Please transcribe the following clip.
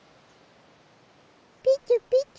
ピチュピチュ。